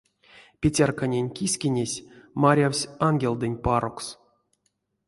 Петярканень кискинесь марявсь ангелдэнть парокс.